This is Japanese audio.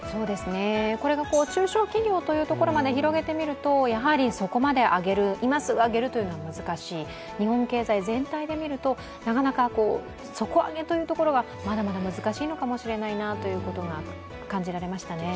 これが中小企業というところまで広げてみるとそこまで今すぐ上げるというのは難しい、日本経済全体で見るとなかなか底上げというところがまだまだ難しいのかもしれないなと感じられましたね。